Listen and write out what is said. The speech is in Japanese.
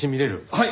はい。